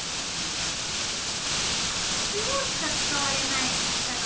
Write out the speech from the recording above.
中央しか使われない方が